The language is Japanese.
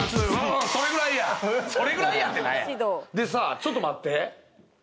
ちょっと待って。